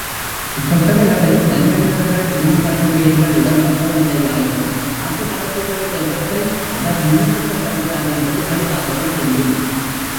இக்கட்டுரைகளில் தனிமனிதர்கள், ஊர்களின் பெயர்கள் இடம்பெறுவதில்லையாயினும் நாட்டு நடப்புகளில் எவற்றை அவர் முன்னிறுத்த விழைகிறார் என்பது தெளிவாகவே தெரியும்.